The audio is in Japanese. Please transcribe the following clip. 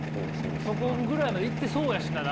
そこぐらいまでいってそうやしな！